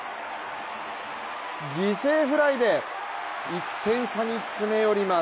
犠牲フライで１点差に詰め寄ります。